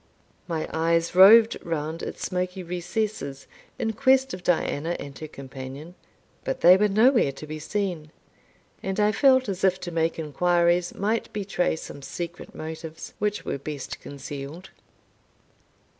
My eyes roved round its smoky recesses in quest of Diana and her companion; but they were nowhere to be seen, and I felt as if to make inquiries might betray some secret motives, which were best concealed.